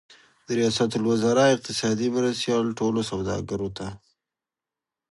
د ریاست الوزار اقتصادي مرستیال ټولو سوداګرو ته